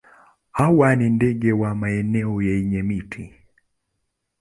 Hawa ni ndege wa maeneo yenye miti.